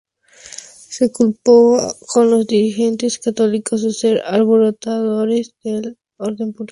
Se culpó a los dirigentes católicos, de ser alborotadores del orden público.